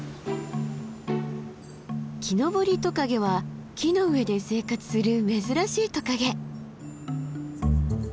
キノボリトカゲは木の上で生活する珍しいトカゲ。